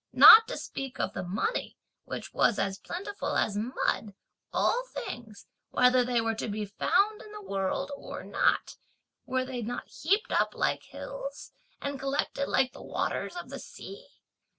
Not to speak of the money, which was as plentiful as mud, all things, whether they were to be found in the world or not, were they not heaped up like hills, and collected like the waters of the sea?